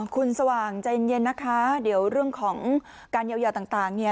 คุณสว่างใจเย็นเย็นนะคะเดี๋ยวเรื่องของการเยาว์เยาว์ต่างต่างเนี่ย